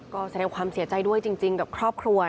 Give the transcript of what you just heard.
ก็แสดงความเสียใจด้วยจริงกับครอบครัว